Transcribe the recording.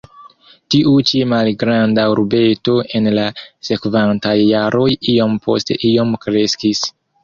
Tiu ĉi malgranda urbeto en la sekvantaj jaroj iom post iom kreskis.